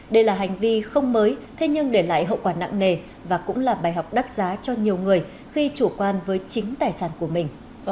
đây là hành vi không mới thế nhưng để lại hậu quả nặng nề và cũng là bài học đắt giá cho nhiều người khi chủ quan với chính tài sản của mình